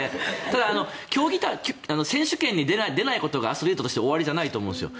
ただ、選手権に出ないことがアスリートとして終わりじゃないと思うんですよ。